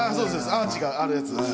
アーチがあるやつです。